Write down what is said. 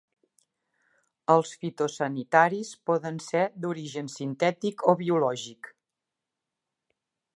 Els fitosanitaris poden ser d'origen sintètic o biològic.